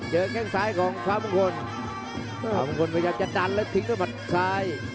เจอแข่งซ้ายของภาพมงคลภาพมงคลมันยังจะดันแล้วทิ้งด้วยหมันซ้าย